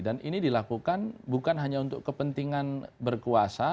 dan ini dilakukan bukan hanya untuk kepentingan berkuasa